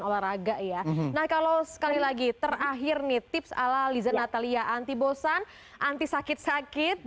olahraga ya nah kalau sekali lagi terakhir nih tips ala liza natalia anti bosan anti sakit sakit